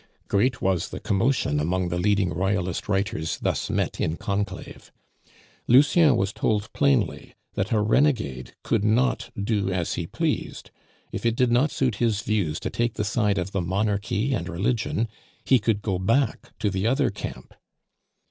Great was the commotion among the leading Royalist writers thus met in conclave. Lucien was told plainly that a renegade could not do as he pleased; if it did not suit his views to take the side of the Monarchy and Religion, he could go back to the other camp.